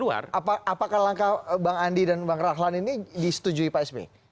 apakah langkah bang andi dan bang rahlan ini disetujui pak sby